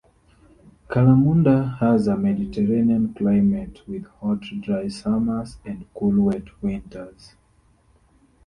Kalamunda has a Mediterranean climate with hot dry summers and cool wet winters.